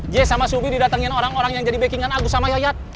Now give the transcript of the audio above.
jay sama subi didatengin orang orang yang jadi backingan agus sama yayat